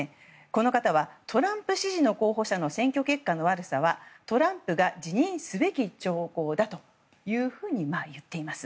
この方はトランプ支持の候補者の選挙結果の悪さはトランプが辞任すべき兆候だというふうに言っています。